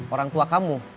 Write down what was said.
orang tua kamu